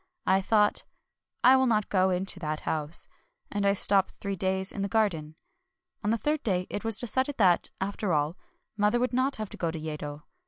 I thought, " I will not go into that house ;" and I stopped three days in the garden. On the third day it was decided that, after all, mother would not have to go to Yedo.